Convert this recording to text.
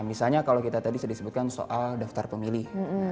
misalnya kalau kita tadi sudah disebutkan soal daftar pemilih